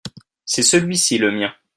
c'est celui-ci le mien.